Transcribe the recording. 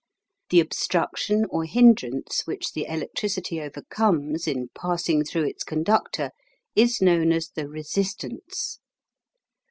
The obstruction or hindrance which the electricity overcomes in passing through its conductor is known as the RESISTANCE.